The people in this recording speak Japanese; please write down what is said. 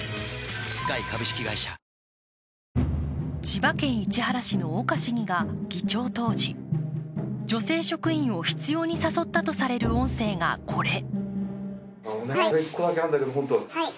千葉県市原市の岡市議が議長当時、女性職員を執ように誘ったとされる音声がこれ。